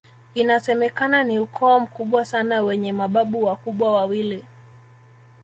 Inasemekana ni ukoo mkubwa sana wenye mababu wakubwa wawili